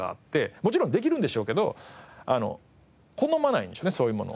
もちろんできるんでしょうけど好まないんでしょうねそういうものを。